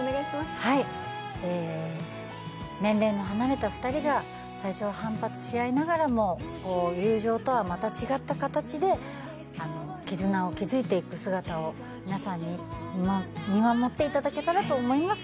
年齢の離れた２人が最初は反発し合いながらも、友情とはまた違った形で築いていく姿を皆さんに見守っていただけたらと思います。